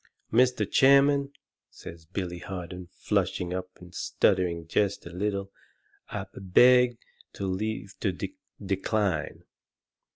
"Mr. Chairman," says Billy Harden, flushing up and stuttering jest a little, "I b beg leave to d d decline."